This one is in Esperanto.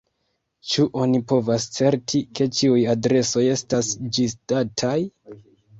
Ĉu oni povas certi, ke ĉiuj adresoj estas ĝisdataj?